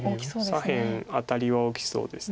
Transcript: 左辺アタリは大きそうです。